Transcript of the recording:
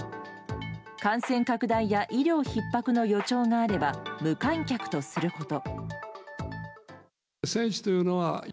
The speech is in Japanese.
感染拡大や医療ひっ迫の予兆があれば無観客とすること。